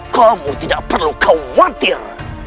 kamu tidak perlu khawatir